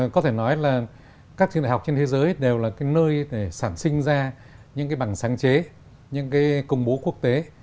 có thể nói là các trường đại học trên thế giới đều là nơi để sản sinh ra những bằng sáng chế những công bố quốc tế